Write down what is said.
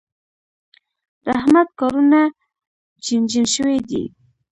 د احمد کارونه چينجن شوي دي.